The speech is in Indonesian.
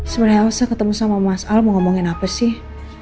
sebenarnya saya ketemu sama mas al mau ngomongin apa sih